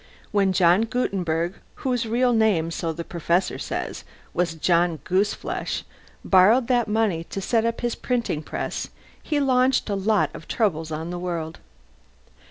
When John Gutenberg, whose real name (so the Professor says) was John Gooseflesh, borrowed that money to set up his printing press he launched a lot of troubles on the world.